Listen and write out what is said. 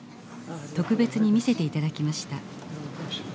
特別に見せて頂きました。